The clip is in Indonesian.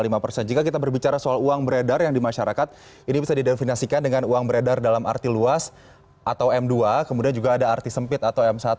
jika kita berbicara soal uang beredar yang di masyarakat ini bisa didefinasikan dengan uang beredar dalam arti luas atau m dua kemudian juga ada arti sempit atau m satu